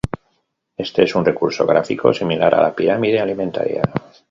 Este es un recurso gráfico similar a la pirámide alimentaria.